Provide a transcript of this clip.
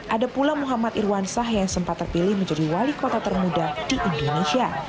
ada pula muhammad irwansah yang sempat terpilih menjadi wali kota termuda di indonesia